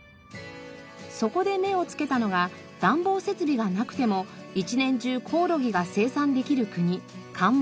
そこで目をつけたのが暖房設備がなくても一年中コオロギが生産できる国カンボジア。